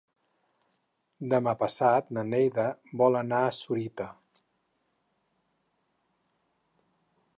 Demà passat na Neida vol anar a Sorita.